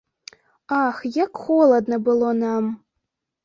Ах, як холадна было нам.